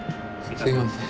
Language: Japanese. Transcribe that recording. すいません。